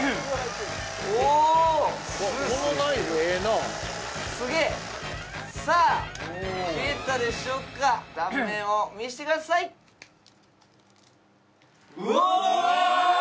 スイスイいってるすげえさあ切れたでしょうか断面を見せてくださいうわ！